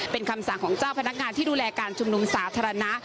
เป็นคำสั่งของเจ้าพนักงานที่ดูแลการชุมนุมสาธารณะ